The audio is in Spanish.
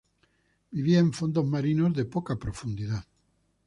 Vivía en fondos marinos de poca profundidad.